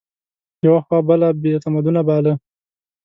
یوه خوا بل بې تمدنه باله